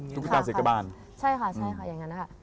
ตุ๊กตาเสกบานใช่ค่ะอย่างนั้นค่ะ